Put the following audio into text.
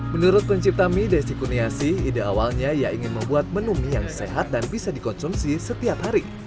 menurut pencipta mie desi kuniasi ide awalnya ia ingin membuat menu mie yang sehat dan bisa dikonsumsi setiap hari